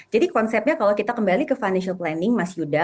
jadi konsepnya kalau kita kembali ke financial planning mas yuda